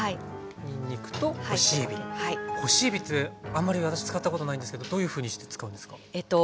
干しえびってあんまり私使ったことないんですけどどういうふうにして使うんですか？